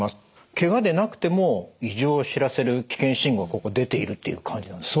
けがでなくても異常を知らせる危険信号は出ているって感じなんですか？